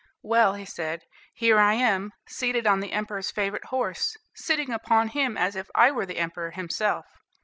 "Well," he said, "here I am, seated on the emperor's favorite horse, sitting upon him as if I were the emperor himself.